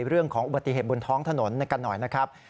เรื่องของอุบัติเหตุบนท้องถนนกันหน่อยนะครับ